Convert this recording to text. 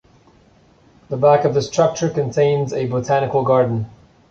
The back of the structure contains a botanical garden.